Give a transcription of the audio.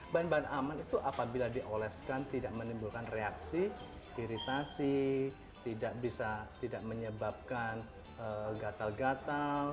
bahan bahan aman itu apabila dioleskan tidak menimbulkan reaksi iritasi tidak bisa tidak menyebabkan gatal gatal